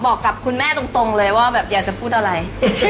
บอกกับคุณแม่ตรงเลยว่าแบบอยากจะพูดอะไร